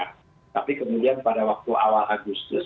tapi kemudian pada waktu awal agustus